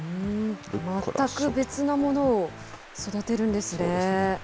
全く別なものを育てるんですね。